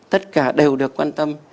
tất cả đều được quan tâm